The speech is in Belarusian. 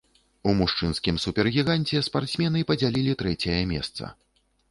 У мужчынскім супергіганце спартсмены падзялілі трэцяе месца.